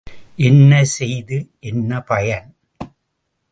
என்ன செய்து என்ன பயன்?